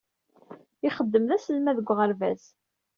Ixeddem d aselmad deg uɣerbaz.